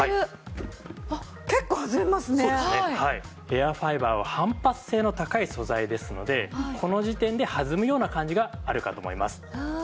エアファイバーは反発性の高い素材ですのでこの時点で弾むような感じがあるかと思います。